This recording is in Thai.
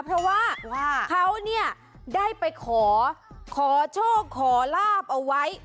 เพราะว่าเขาเนี่ยได้ไปขอขอโชคขอลาบเอาไว้